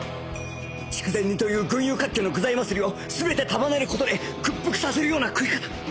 筑前煮という群雄割拠の具材祭りを全て束ねる事で屈服させるような食い方